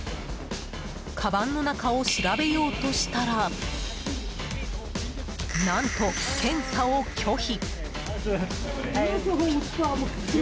かばんの中を調べようとしたら何と、検査を拒否。